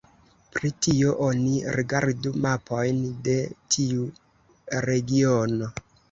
Pri tio oni rigardu mapojn de tiu regiono.